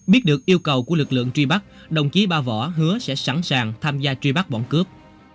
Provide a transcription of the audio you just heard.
biết được yêu cầu của lực lượng truy bắt đồng chí ba võ hứa sẽ sẵn sàng tham gia truy bắt bọn cướp